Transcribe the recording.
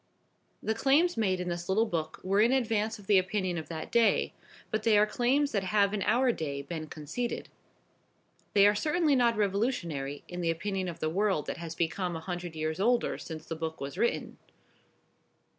The claims made in this little book were in advance of the opinion of that day, but they are claims that have in our day been conceded. They are certainly not revolutionary in the opinion of the world that has become a hundred years older since the book was written.